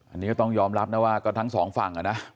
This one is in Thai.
อันนี้ก็ต้องยอมรับนะว่าก็ทั้งสองฝั่งนะ